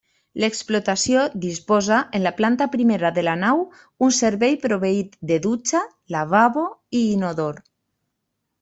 L'explotació disposa en la planta primera de la nau un servei proveït de dutxa, lavabo i inodor.